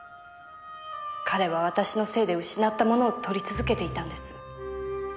彼は私のせいで失ったものを撮り続けていたんです。